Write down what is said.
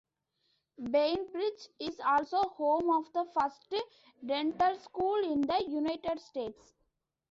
Bainbridge is also home of the first dental school in the United States.